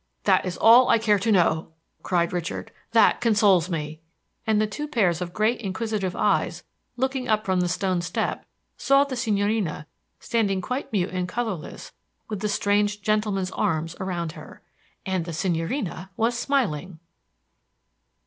"That is all I care to know!" cried Richard; "that consoles me!" and the two pairs of great inquisitive eyes looking up from the stone step saw the signorina standing quite mute and colorless with the strange gentleman's arms around her. And the signorina was smiling!